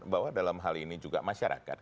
bahwa dalam hal ini juga masih ada yang berharga